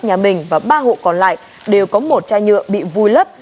nhà mình và ba hộ còn lại đều có một chai nhựa bị vùi lấp